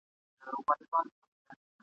د ټول کلي خلک ماته کړي ښراوي !.